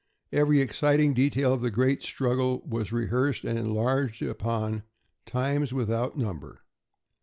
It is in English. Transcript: Every exciting detail of the great struggle was rehearsed and enlarged upon, times without number.